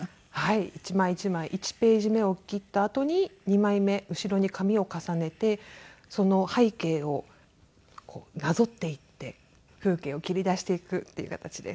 １ページ目を切ったあとに２枚目後ろに紙を重ねてその背景をなぞっていって風景を切り出していくっていう形です。